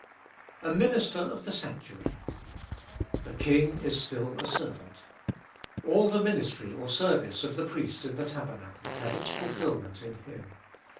A Minister of the sanctuary. The King is still a servant All the ministry or service of the priests in the tabernacle had its fulfilment in Him.